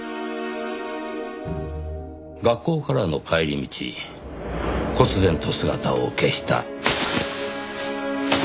学校からの帰り道忽然と姿を消した。